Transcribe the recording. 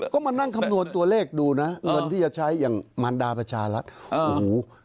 ก็มานั่งคำนวณตัวเลขดูนะเงินที่จะใช้อย่างมารดาประชารัฐโอ้โห